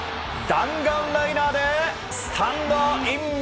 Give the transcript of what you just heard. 弾丸ライナーでスタンドイン！